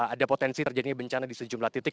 ada potensi terjadinya bencana di sejumlah titik